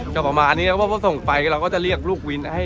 จะออกมาอันนี้เราเขาพอพอส่งไฟก็เรียกลูกวินทร์ให้